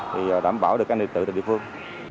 thì đảm bảo được an ninh trật tự từ địa phương